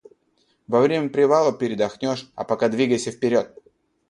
Во время привала передохнёшь, а пока двигайся вперёд!